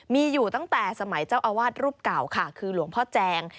มีอยู่ตั้งแต่สมัยเจ้าอาวาสรูปเก่าค่ะคือหลวงพ่อแจง